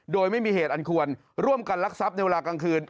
โดยไม่มีเหตุอันควรร่วมกันลักทรัพย์ในเวลากลางคืน